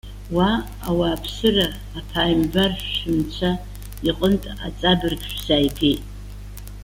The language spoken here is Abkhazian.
Уа, ауааԥсыра! Аԥааимбар шәынцәа иҟынтә аҵабырг шәзааигеит.